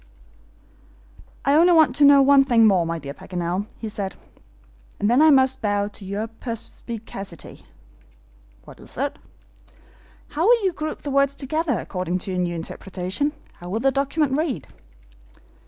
"I only want to know one thing more, my dear Paganel," he said, "and then I must bow to your perspicacity." "What is it?" "How will you group the words together according to your new interpretation? How will the document read?"